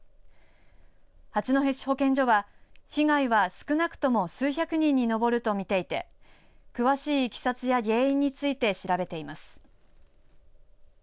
八戸市保健所は被害は少なくとも数百人に上ると見ていて詳しいいきさつや原因について調べています。